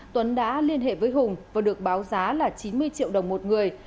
tuấn đã liên hệ với hùng và được báo giá là chín mươi triệu đồng một người